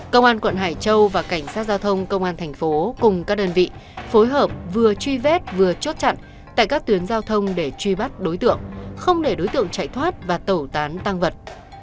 công an quận hải châu và cảnh sát giao thông công an thành phố cùng các đơn vị phối hợp vừa truy vết vừa chốt chặn tại các tuyến giao thông để truy bắt đối tượng không để đối tượng chạy thoát và tẩu tán tăng vật